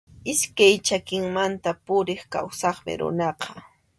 Iskay chakimanta puriq kawsaqmi runaqa.